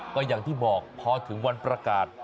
ก็อย่างที่บอกพอถึงวันประกาศ